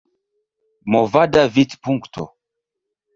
Movada Vidpunkto